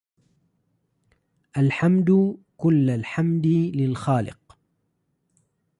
الحمد كل الحمد للخلاق